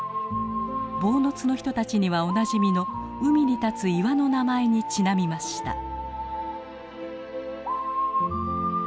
坊津の人たちにはおなじみの海に立つ岩の名前にちなみました。